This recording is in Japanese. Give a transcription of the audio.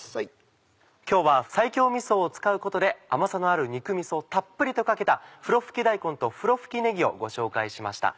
今日は西京みそを使うことで甘さのある肉みそをたっぷりとかけた「ふろふき大根」と「ふろふきねぎ」をご紹介しました。